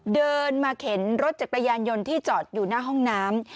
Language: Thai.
เดินมาเข็นรถจักรยานยนต์ที่จอดอยู่หน้าห้องน้ำ